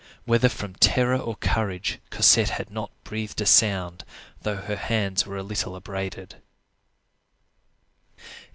Whether from terror or courage, Cosette had not breathed a sound, though her hands were a little abraded.